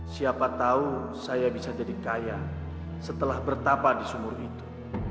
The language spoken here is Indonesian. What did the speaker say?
siapa tahu saya bisa jadi kaya setelah bertapa di sumur itu